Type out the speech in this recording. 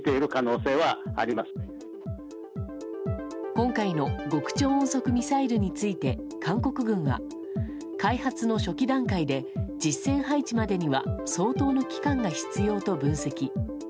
今回の極超音速ミサイルについて韓国軍は開発の初期段階で実戦配置までには相当の期間が必要と分析。